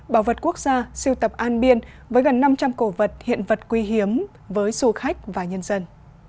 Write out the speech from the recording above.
bảo vật quốc gia siêu tập an biên với gần năm trăm linh cổ vật hiện vật quý hiếm với du khách và nhân dân